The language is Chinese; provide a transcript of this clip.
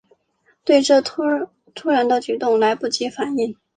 对这突然的举动来不及反应